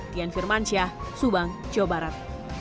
tian firman syah subang jawa barat